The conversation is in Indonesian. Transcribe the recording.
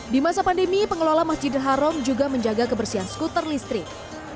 di masa pandemi pengelola masjidil haram juga menjaga kebersihan skuter listrik